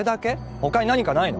他に何かないの？